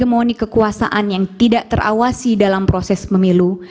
kemoni kekuasaan yang tidak terawasi dalam proses pemilu